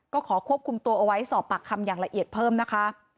ก็ขอควบคุมตัวเอาไว้สอบปากคำอย่างละเอียดเพิ่มนะคะ